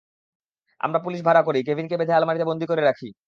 আমরা পুলিশ ভাড়া করি, কেভিনকে বেঁধে আলমারিতে বন্দি করে রাখি।